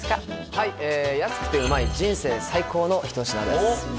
はい安くてうまい人生最高の一品です